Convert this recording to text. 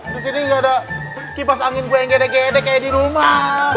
di sini gak ada kipas angin gue yang gedek gedek kayak di rumah